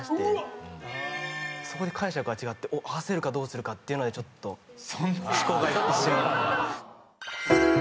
そこ解釈が違って合わせるかどうするかっていうのでちょっと思考が一瞬。